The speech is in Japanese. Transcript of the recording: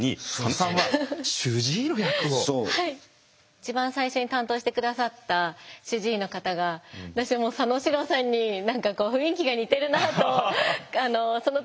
一番最初に担当して下さった主治医の方が私も佐野史郎さんに何か雰囲気が似てるなとその時。